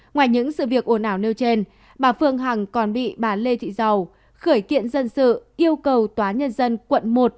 ngoài những sự việc ồn ảo nêu trên bà phương hằng còn bị bà lê thị dầu khởi kiện dân sự yêu cầu tnth quận một